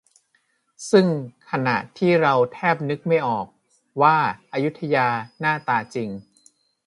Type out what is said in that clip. ซึ่งขณะที่เราแทบนึกไม่ออกว่าอยุธยาหน้าตาจริง